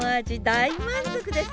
大満足です。